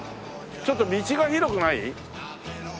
ちょっと道が広くない？